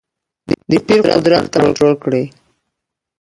د پیر قدرت کنټرول کړې.